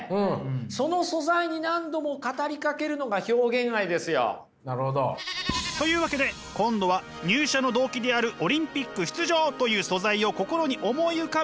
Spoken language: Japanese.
その素材に何度も語りかけるのが表現愛ですよ。というわけで今度は入社の動機であるオリンピック出場という素材を心に思い浮かべ。